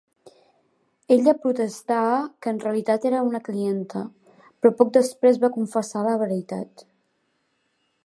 Ella protestà que en realitat era una clienta, però poc després va confessar la veritat.